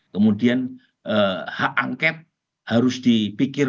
kemudian hak angket harus dipikir